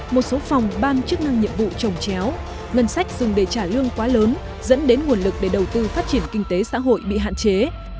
một số phòng ban chức năng nhiệm vụ trồng chéo ngân sách dùng để trả lương quá lớn dẫn đến nguồn lực để đầu tư phát triển kinh tế xã hội bị hạn chế